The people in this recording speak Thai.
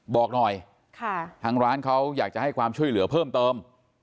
บอกหน่อยทางร้านเขาอยากจะให้ความช่วยเหลือเพิ่มเติม